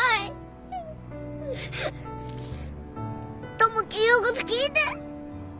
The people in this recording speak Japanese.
友樹言うこと聞いて。